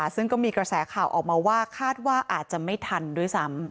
ซึ่งก็มีกระแสข่าวออกมาว่าคาดว่าอาจจะไม่ทันด้วยซ้ำ